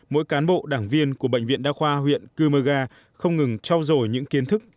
mỗi cán bộ đảng viên của bệnh viện đa khoa huyện cơ mơ ga không ngừng trao dồi những kiến thức